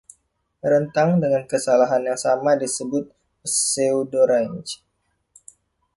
Rentang dengan kesalahan yang sama disebut pseudorange.